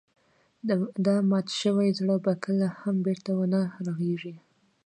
دا مات شوی زړه به کله هم بېرته ونه رغيږي.